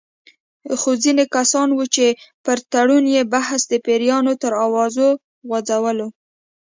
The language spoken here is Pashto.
خو ځینې کسان وو چې پر تړون یې بحث د پیریانو تر اوازو غـځولو.